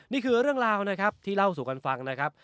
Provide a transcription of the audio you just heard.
นี่คือเรื่องราวนะครับที่เล่าสู่กันฟังนะครับ